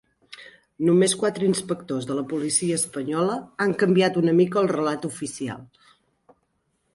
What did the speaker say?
Només quatre inspectors de la policia espanyola han canviat una mica el relat oficial